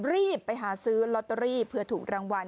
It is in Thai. รีบไปหาซื้อลอตเตอรี่เผื่อถูกรางวัล